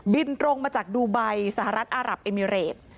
บินตรงมาจากดูบัยสหรัฐอาหรับเอมิเรต